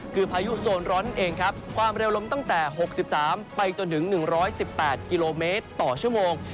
คือพายุโซนร้อนนั่นเองครับความเร็วลมตั้งแต่๖๓ไปจนถึง๑๑๘กิโลเมตรต่อชั่วโมง